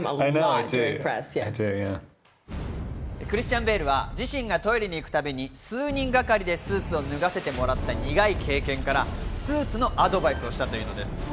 クリスチャン・ベールは自身がトイレに行くたびに数人がかりでスーツを脱がせてもらった苦い経験からスーツのアドバイスをしたというのです。